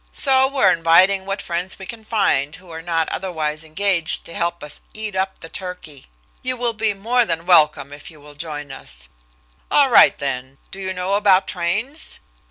So we're inviting what friends we can find who are not otherwise engaged to help us eat up the turkey. You will be more than welcome if you will join us. All right, then. Do you know about trains?